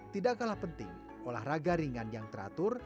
tidak kalah penting olahraga ringan yang teratur